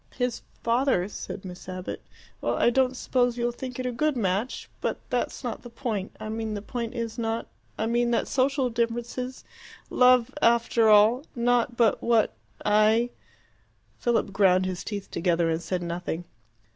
"His father," said Miss Abbott. "Well, I don't suppose you'll think it a good match. But that's not the point. I mean the point is not I mean that social differences love, after all not but what I " Philip ground his teeth together and said nothing.